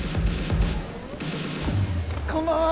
こんばんは！